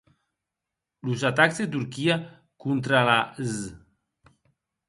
Los atacs de Turquia contra la z